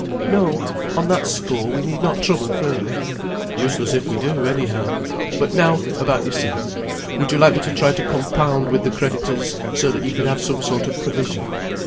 No, on that score we need not trouble further. Useless if we do, anyhow. But now, about yourself. Would you like me to try to compound with the creditors, so that you could have some sort of provision?